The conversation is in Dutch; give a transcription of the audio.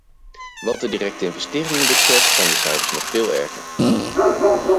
Wat de directe investeringen betreft, zijn de cijfers nog veel erger.